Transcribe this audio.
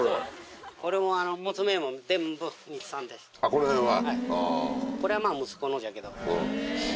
この辺は。